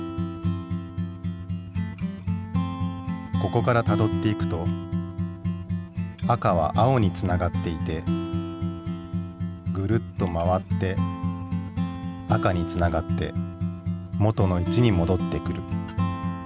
ここからたどっていくと赤は青につながっていてぐるっと回って赤につながって元の位置にもどってくる。